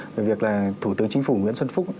về việc là thủ tướng chính phủ nguyễn xuân phúc